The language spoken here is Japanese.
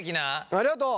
ありがとう！